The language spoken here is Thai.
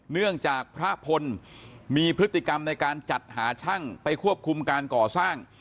เนื่องจากพระพลมีพฤติกรรมในการจัดหาช่างไปควบคุมการก่อสร้าง